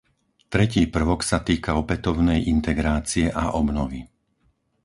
Tretí prvok sa týka opätovnej integrácie a obnovy.